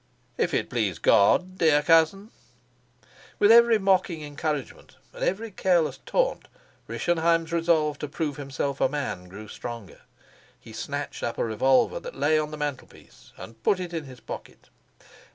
"If it please God, dear cousin." With every mocking encouragement and every careless taunt Rischenheim's resolve to prove himself a man grew stronger. He snatched up a revolver that lay on the mantelpiece and put it in his pocket.